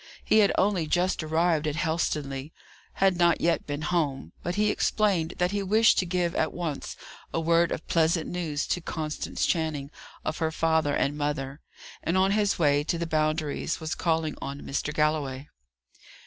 He had only just arrived at Helstonleigh; had not yet been home; but he explained that he wished to give at once a word of pleasant news to Constance Channing of her father and mother, and, on his way to the Boundaries, was calling on Mr. Galloway.